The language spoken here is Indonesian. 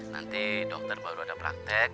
nanti dokter baru ada praktek